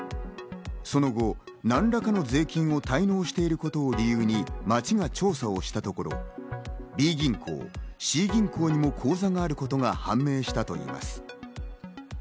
その後、何らかの税金を滞納していることを理由に町が調査をしたところ、Ｂ銀行、Ｃ銀行にも口座があることが判明したといいます。